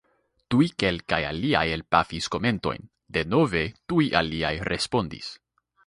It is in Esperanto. Tuj kelkaj aliaj elpafis komentojn, denove tuj aliaj respondis.